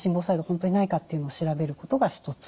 本当にないかというのを調べることが一つ。